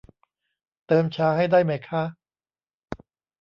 เติมชาให้ได้ไหมคะ